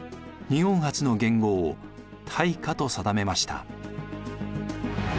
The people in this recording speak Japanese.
日本初の元号を「大化」と定めました。